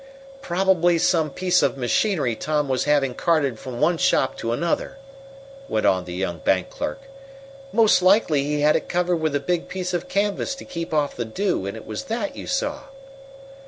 "Probably some piece of machinery Tom was having carted from one shop to another," went on the young bank clerk. "Most likely he had it covered with a big piece of canvas to keep off the dew, and it was that you saw."